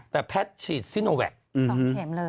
แต่แพทย์ฉีดซิโนแวค๒เข็มเลย